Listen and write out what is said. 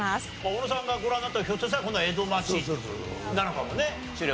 小野さんがご覧になったのひょっとしたらこのエドマチなのかもねしれませんが。